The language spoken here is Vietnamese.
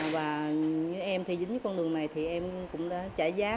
và em thì dính với con đường này thì em cũng đã trả giá